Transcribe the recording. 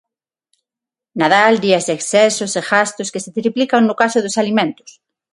Nadal días de excesos e gastos que se triplican no caso dos alimentos.